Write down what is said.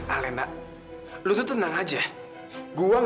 alena lo tuh tenang aja